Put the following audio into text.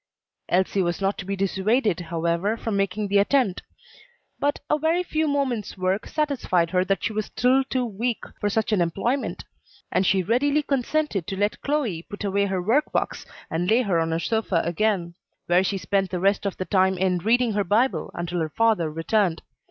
Elsie was not to be dissuaded, however, from making the attempt; but a very few moments' work satisfied her that she was still too weak for such an employment; and she readily consented to let Chloe put away her work box and lay her on her sofa again, where she spent the rest of the time in reading her Bible until her father returned.